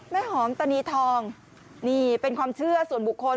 หอมตานีทองนี่เป็นความเชื่อส่วนบุคคล